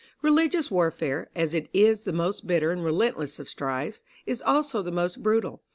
Religious warfare, as it is the most bitter and relentless of strifes, is also the most brutal.